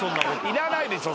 いらないでしょ